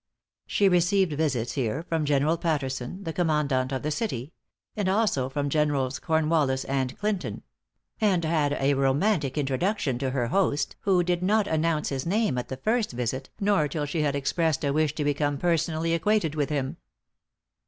She received visits here from General Patterson, the Commandant of the city; and also from Generals Cornwallis and Clinton; and had a romantic introduction to her host, who did not announce his name at the first visit, nor till she had expressed a wish to become personally acquainted with him.